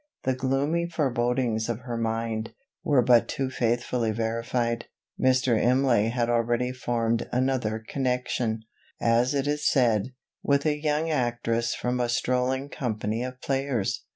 The gloomy forebodings of her mind, were but too faithfully verified. Mr. Imlay had already formed another connexion; as it is said, with a young actress from a strolling company of players.